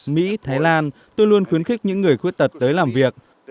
mỹ thái lan tôi luôn khuyến khích những người khuyết tật tới làm việc